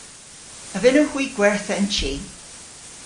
A vynnowgh hwi gwertha an chi?